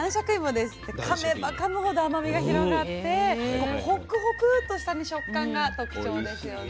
でかめばかむほど甘みが広がってホックホクとした食感が特徴ですよね。